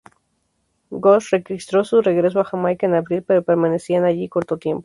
Gosse registró su regreso a Jamaica en abril, pero permanecían allí corto tiempo.